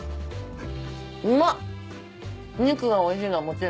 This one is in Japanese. うまっ。